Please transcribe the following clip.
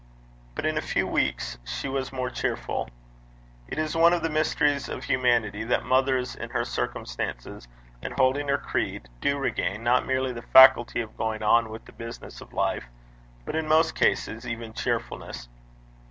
But in a few weeks she was more cheerful. It is one of the mysteries of humanity that mothers in her circumstances, and holding her creed, do regain not merely the faculty of going on with the business of life, but, in most cases, even cheerfulness.